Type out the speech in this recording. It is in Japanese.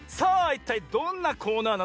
いったいどんなコーナーなのか？